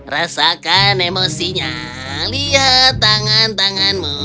rasakan emosinya lihat tangan tanganmu